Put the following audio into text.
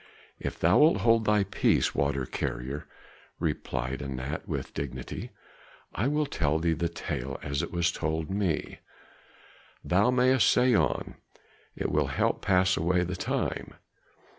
"If thou wilt hold thy peace, water carrier," replied Anat with dignity, "I will tell thee the tale as it was told me." "Thou mayest say on; it will help pass away the time."